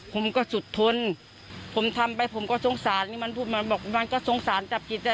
ผมก็สุดทนผมทำไปผมก็สงสารนี่มันพูดมาบอกมันก็สงสารจับจิตได้